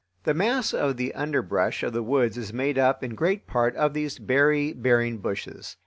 The mass of the underbrush of the woods is made up in great part of these berry bearing bushes.